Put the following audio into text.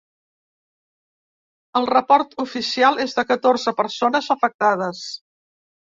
El report oficial és de catorze persones afectades.